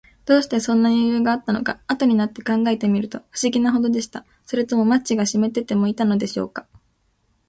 どうして、そんなよゆうがあったのか、あとになって考えてみると、ふしぎなほどでした。それともマッチがしめってでもいたのでしょうか。